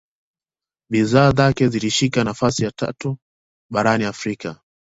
bidhaa zake zilishika nafasi ya tatu barani afrika